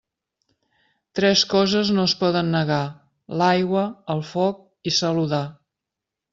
Tres coses no es poden negar: l'aigua, el foc i saludar.